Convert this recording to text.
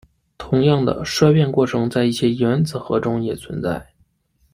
同样的衰变过程在一些原子核中也存在。